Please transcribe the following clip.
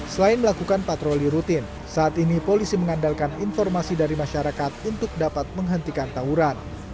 selain melakukan patroli rutin saat ini polisi mengandalkan informasi dari masyarakat untuk dapat menghentikan tawuran